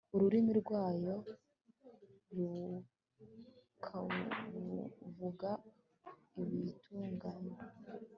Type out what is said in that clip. ururimi rwayo rukavuga ibitunganye